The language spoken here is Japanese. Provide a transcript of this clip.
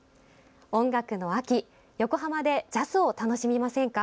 音楽の秋、横浜でジャズを楽しみませんか。